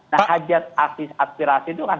nah hajat asis aspirasi itu kan